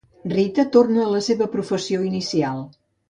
Rita torna a la seva professió inicial.